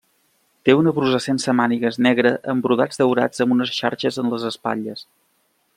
Té una brusa sense mànigues negra amb brodats daurats amb unes xarxes en les espatlles.